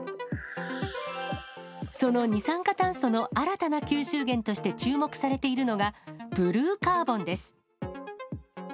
その二酸化炭素の新たな吸収源として注目されているのが、ブルーカーボンです。